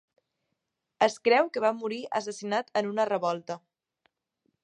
Es creu que va morir assassinat en una revolta.